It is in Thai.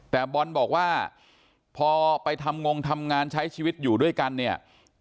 แต่บอลบอกว่าพอไปทำงงทำงานใช้ชีวิตอยู่ด้วยกันเนี่ย